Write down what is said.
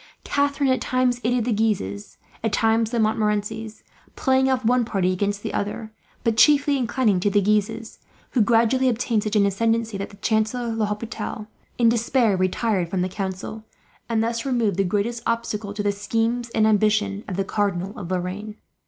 Catharine at times aided the Guises, at times the Montmorencys; playing off one party against the other, but chiefly inclining to the Guises, who gradually obtained such an ascendency that the Chancellor L'Hopital, in despair, retired from the council; and thus removed the greatest obstacle to the schemes and ambition of the Cardinal of Lorraine.